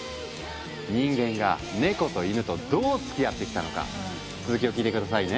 人間がネコとイヌとどうつきあってきたのか続きを聞いて下さいね。